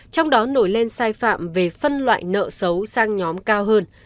trong đó nổi lên sai phạm về phân loại nợ xấu sang nhóm cao hơn